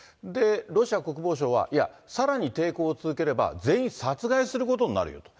ロシア国防省は、いや、さらに抵抗を続ければ全員殺害することになるよと。